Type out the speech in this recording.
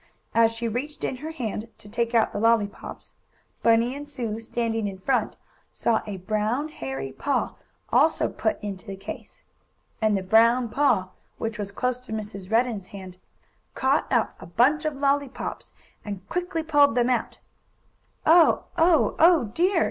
As she reached in her hand, to take out the lollypops, Bunny and Sue, standing in front, saw a brown, hairy paw also put into the case. And the brown paw, which was close to Mrs. Redden's hand, caught up a bunch of lollypops and quickly pulled them out. "Oh! oh! oh, dear!"